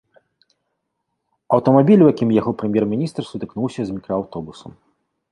Аўтамабіль, у якім ехаў прэм'ер-міністр, сутыкнуўся з мікрааўтобусам.